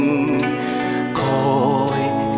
ขอให้กรรมการเปลี่ยน